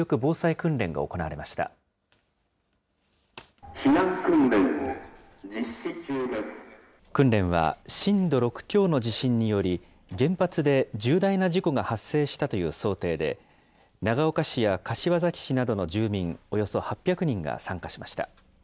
訓練は震度６強の地震により、原発で重大な事故が発生したという想定で、長岡市や柏崎市などの住民およそ８００人が参加しました。